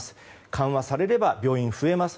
緩和されれば病院が増えます。